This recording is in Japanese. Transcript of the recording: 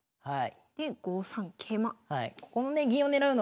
はい。